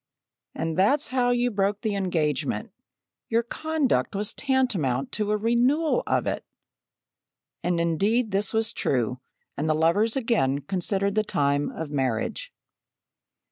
"And that's how you broke the engagement. Your conduct was tantamount to a renewal of it!" And indeed this was true, and the lovers again considered the time of marriage.